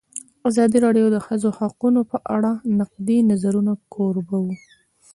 ازادي راډیو د د ښځو حقونه په اړه د نقدي نظرونو کوربه وه.